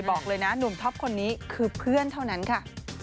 บอกเลยนะหนุ่มท็อปคนนี้คือเพื่อนเท่านั้นค่ะ